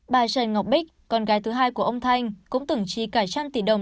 bà trần ngọc bích con gái thứ hai của ông thanh cũng từng trí cả trăm tỷ đồng